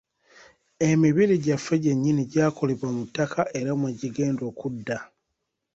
Emibiri gyaffe gyennyini gyakolebwa mu ttaka era mwe gigenda okudda.